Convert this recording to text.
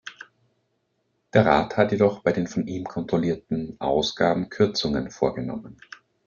Der Rat hat jedoch bei den von ihm kontrollierten Ausgaben Kürzungen vorgenommen.